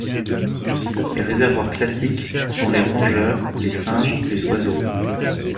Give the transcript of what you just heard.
Les réservoirs classiques sont les rongeurs, les singes, les oiseaux.